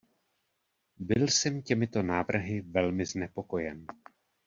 Byl jsem těmito návrhy velmi znepokojen.